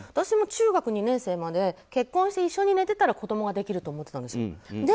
私も中学２年生まで結婚して一緒に寝てたら子供ができると思ってたんですよ。